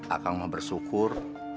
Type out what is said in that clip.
akang mah bersyukur